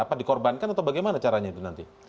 apa dikorbankan atau bagaimana caranya itu nanti